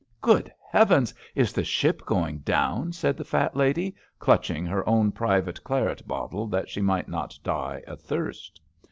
'* Good heavens ! is the ship going down! " said the fat lady, clutching her own private claret bottle that she might not die athirst.